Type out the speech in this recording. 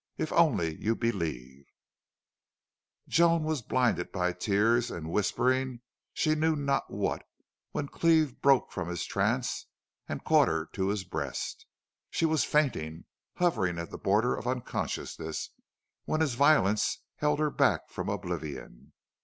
If only you believe " Joan was blinded by tears and whispering she knew not what when Cleve broke from his trance and caught her to his breast. She was fainting hovering at the border of unconsciousness when his violence held her back from oblivion.